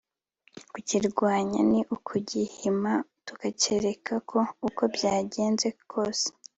kukirwanya ni ukugihima tukacyereka ko uko byagenze kose